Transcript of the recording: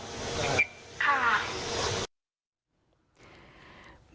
ค่ะ